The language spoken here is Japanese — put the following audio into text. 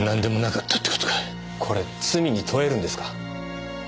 これ罪に問えるんですか？